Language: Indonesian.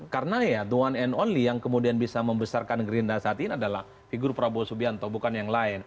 karena ya the one and only yang kemudian bisa membesarkan gerindra saat ini adalah figur prabowo subianto bukan yang lain